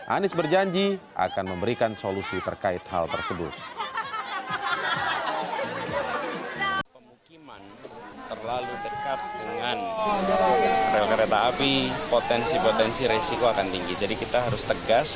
anies berjanji akan memberikan solusi terkait hal tersebut